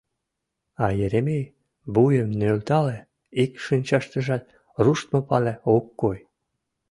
А Еремей вуйым нӧлтале — ик шинчаштыжат руштмо пале ок кой.